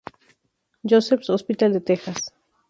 Joseph's Hospital de Texas.